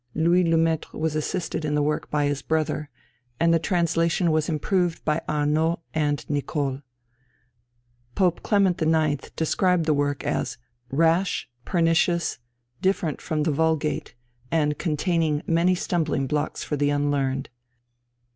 Louis Le Maistre was assisted in the work by his brother, and the translation was improved by Arnaud and Nicole. Pope Clement IX. described the work as "rash, pernicious, different from the Vulgate, and containing many stumbling blocks for the unlearned."